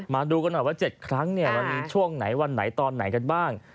มาดูกันหน่อยว่า๗ครั้งมันมีช่วงไหนวันไหนตอนไหนกันบ้าง